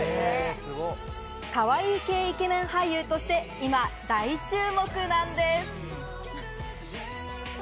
カワイイ系イケメン俳優として今、大注目なんです。